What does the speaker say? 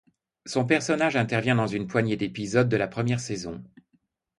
Son personnage intervient dans une poignée d'épisodes de la première saison.